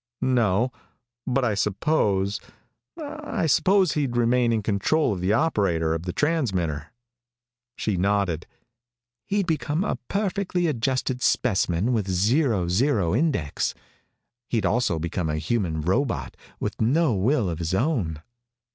"No, but I suppose I suppose he'd remain in control of the operator of the transmitter." She nodded. "He'd become a perfectly adjusted specimen with a zero zero index, but he'd also become a human robot with no will of his own."